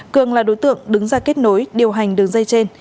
cường là đối tượng đứng ra kết nối điều hành đường dây trên